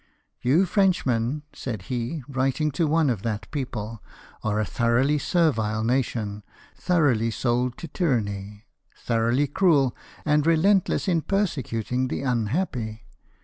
" You Frenchmen," said he, writing to one of that people, " are a thoroughly servile nation, thoroughly sold to tyranny, thoroughly cruel, and relentless in persecuting the unhappy.